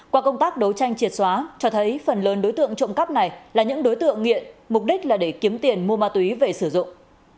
qua công tác đấu tranh triệt xóa cho thấy phần lớn đối tượng trộm cắp này là những đối tượng nghiện mục đích là để kiếm tiền mua ma túy về sử dụng